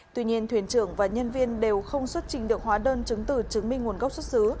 tuy nhiên thuyền trưởng và nhân viên đều không xuất trình được hóa đơn chứng từ chứng minh nguồn gốc xuất xứ